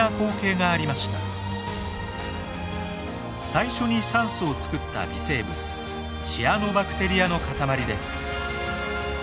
最初に酸素を作った微生物シアノバクテリアの塊です。